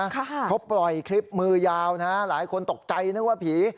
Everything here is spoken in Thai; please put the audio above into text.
เขาปล่อยคลิปมือยาวนะหลายคนตกใจนึกว่าผี